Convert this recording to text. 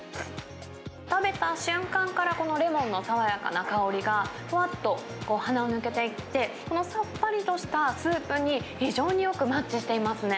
食べた瞬間から、このレモンの爽やかな香りがふわっと鼻を抜けていって、さっぱりとしたスープに非常によくマッチしていますね。